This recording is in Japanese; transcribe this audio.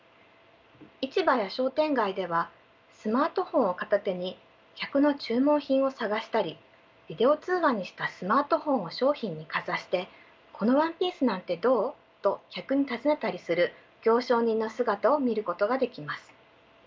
市場や商店街ではスマートフォンを片手に客の注文品を探したりビデオ通話にしたスマートフォンを商品にかざして「このワンピースなんてどう？」と客に尋ねたりする行商人の姿を見ることができます。